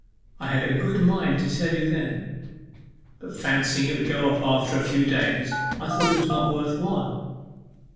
I had a good mind to tell you then, but fancying it would go off in a few days, I thought it was not worth while.